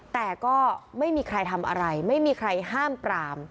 แต่ก็ไม่มีใครทำอะไรไม่มีใครห้ามปราม